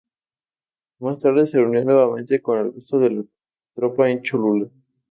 Más tarde se reunió nuevamente con el resto de la tropa en Cholula.